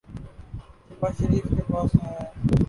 شہباز شریف کے پاس ہے۔